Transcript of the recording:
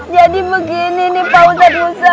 jadi begini nih pak ustadz musa